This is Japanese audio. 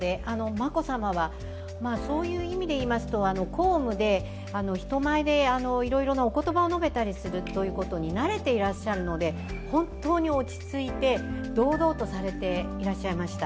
眞子さまはそういう意味で言いますと、公務で人前でいろいろなお言葉を述べたりするということに慣れていますので本当に落ち着いて堂々とされていらっしゃいました。